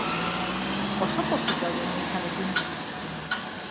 Oso pozik daude emaitzarekin.